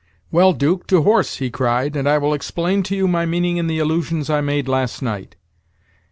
"Well, 'Duke, to horse," he cried, "and I will explain to you my meaning in the allusions I made last night.